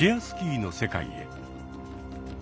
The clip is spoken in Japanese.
スキーの世界へ。